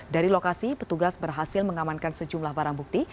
dari lokasi petugas berhasil mengamankan sejumlah barang bukti